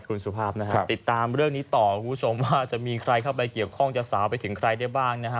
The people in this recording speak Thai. คุณสุภาพนะฮะติดตามเรื่องนี้ต่อคุณผู้ชมว่าจะมีใครเข้าไปเกี่ยวข้องจะสาวไปถึงใครได้บ้างนะฮะ